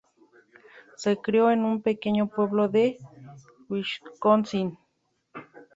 Se crio en un pequeño pueblo de Wisconsin.